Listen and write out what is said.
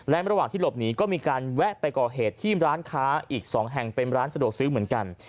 และระหว่างที่หลบหนีก็มีการแวะไปก่อเหตุที่ร้านค้าอีก๒แห่งเป็นร้านสะดวกซื้อเหมือนกัน